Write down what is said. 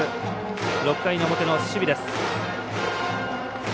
６回の表の守備です。